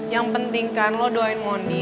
yang penting kan lo doain mondi